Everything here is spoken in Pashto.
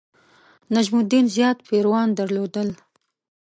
نجم الدین زیات پیروان درلودل.